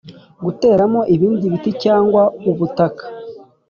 Guteramo ibindi biti cyangwa ubutaka